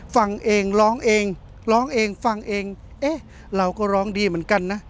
ฟังเองร้องเองร้องเองฟังเองเอ๊ะเราก็ร้องดีเหมือนกันนะ